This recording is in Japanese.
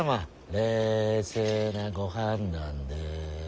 冷静なご判断で。